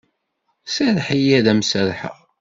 Serreḥ-iyi ad am-serrḥeɣ.